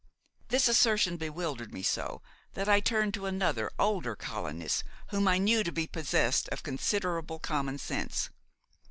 This assertion bewildered me so that I turned to another, older colonist, whom I knew to be possessed of considerable common sense.